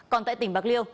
còn tại tỉnh bạc liêu